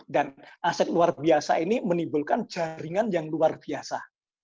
aset luar biasa ini menimbulkan jaringan yang luar biasa